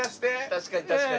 確かに確かに。